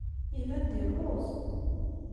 Iban-d yelluẓ.